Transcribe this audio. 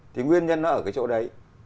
thì nguyên nhân nó ở cái chỗ đấy